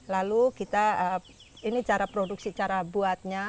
lalu kita ini cara produksi cara buatnya